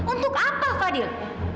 untuk apa fadhil